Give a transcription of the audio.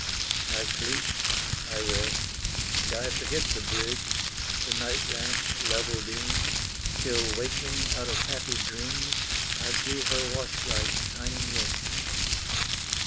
I sleep, I rest, and I forget The bridge the night lamp's level beams, Till waking out of happy dreams, I see her watch light shining yet.